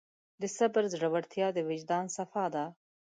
د صبر زړورتیا د وجدان صفا ده.